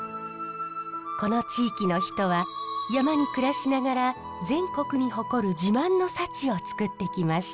この地域の人は山に暮らしながら全国に誇る自慢の幸を作ってきました。